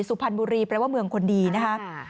สุพรรณบุรีแปลว่าเมืองคนดีนะคะ